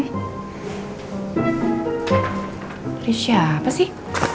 dari siapa sih